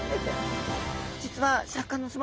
実はシャーク香音さま